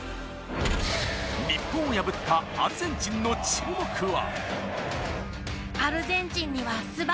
日本を破ったアルゼンチンの注目は？